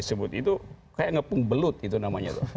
yang disebut itu kayak ngepung belut itu namanya